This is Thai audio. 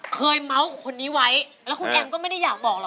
เมาส์คนนี้ไว้แล้วคุณแอมก็ไม่ได้อยากบอกหรอ